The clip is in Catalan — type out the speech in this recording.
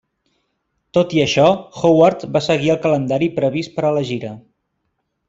Tot i això, Howard va seguir el calendari previst per a la gira.